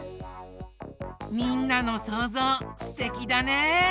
みんなのそうぞうすてきだね。